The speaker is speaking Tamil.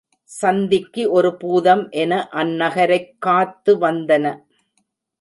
சந்திக்கு ஒரு பூதம் என அந் நகரைக் காத்து வந்தன.